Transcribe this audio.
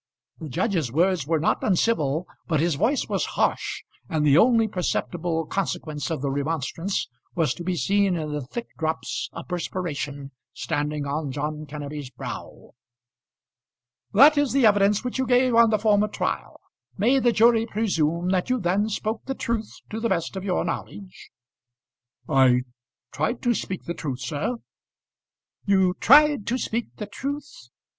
The judge's words were not uncivil, but his voice was harsh, and the only perceptible consequence of the remonstrance was to be seen in the thick drops of perspiration standing on John Kenneby's brow. "That is the evidence which you gave on the former trial? May the jury presume that you then spoke the truth to the best of your knowledge?" "I tried to speak the truth, sir." "You tried to speak the truth?